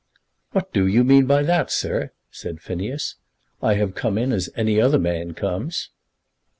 "What do you mean by that, sir?" said Phineas. "I have come in as any other man comes."